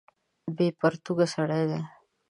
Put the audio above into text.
بې پرتوګه سړی دی.